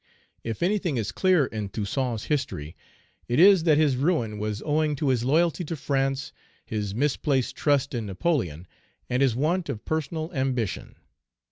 If anything is clear in Toussaint's history, it is that his ruin was owing to his loyalty to France, his misplaced trust in Napoleon, and his want of personal ambition.